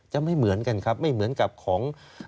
ไม่เหมือนกันครับไม่เหมือนกับของ